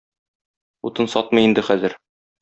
Утын сатмый инде хәзер.